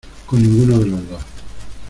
con ninguno de los dos.